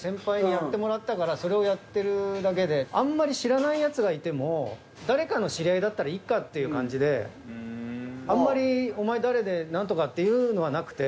それをやってるだけであんまり知らないヤツがいても誰かの知り合いだったらいっかっていう感じであんまりお前誰で何とかっていうのはなくて。